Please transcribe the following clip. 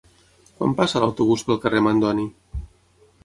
Quan passa l'autobús pel carrer Mandoni?